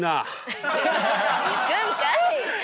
行くんかい！